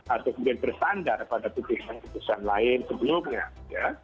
atau kemudian bersandar pada keputusan keputusan lain sebelumnya ya